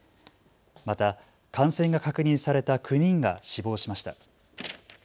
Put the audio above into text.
また感染が確認された９人が死亡しました。